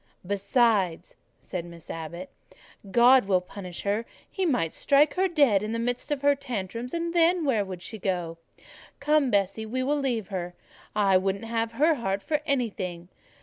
"Besides," said Miss Abbot, "God will punish her: He might strike her dead in the midst of her tantrums, and then where would she go? Come, Bessie, we will leave her: I wouldn't have her heart for anything.